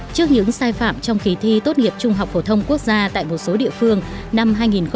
trước những sai phạm trong kỳ thi tốt nghiệp trung học phổ thông quốc gia tại một số địa phương năm hai nghìn một mươi tám